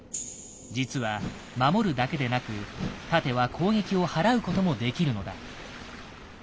実は守るだけでなく盾は攻撃をはらうこともできるのだ。